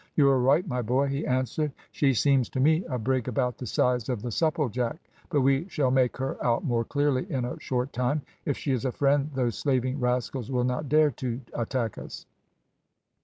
"You are right, my boy," he answered. "She seems to me a brig about the size of the Supplejack, but we shall make her out more clearly in a short time; if she is a friend those slaving rascals will not dare to attack us."